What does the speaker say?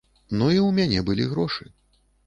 Ну і ў мяне былі грошы.